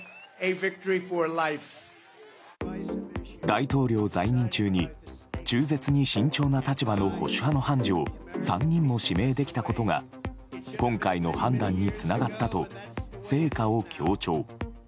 大統領在任中に中絶に慎重な立場の保守派の判事を３人も指名できたことが今回の判断につながったと成果を強調。